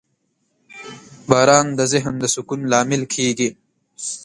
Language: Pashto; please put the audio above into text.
• باران د ذهن د سکون لامل کېږي.